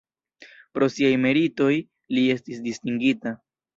Pro siaj meritoj li estis distingita.